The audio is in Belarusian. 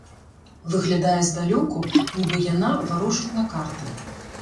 Выглядае здалёку, нібы яна варожыць на карты.